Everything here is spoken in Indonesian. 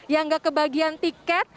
yang gak kebagian tiket